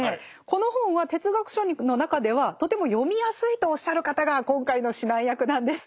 この本は哲学書の中ではとても読みやすいとおっしゃる方が今回の指南役なんです。